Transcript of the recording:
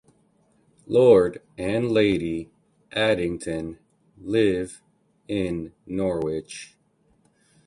Lord and Lady Addington live in Norwich.